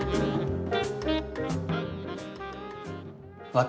私